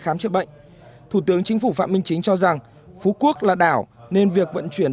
khám chữa bệnh thủ tướng chính phủ phạm minh chính cho rằng phú quốc là đảo nên việc vận chuyển